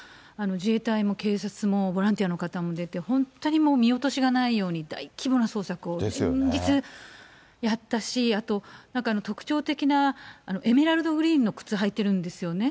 自衛隊も警察もボランティアの方も出て、本当に見落としがないように、大規模な捜索を連日やったし、あと特徴的なエメラルドグリーンの靴履いてるんですよね。